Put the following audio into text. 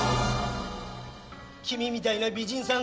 君みたいな美人さん